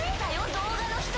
動画の人！